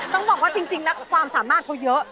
ต้องบอกว่าจริงแล้วความสามารถเขาเยอะ